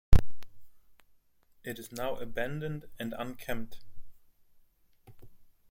It is now abandoned, and unkempt.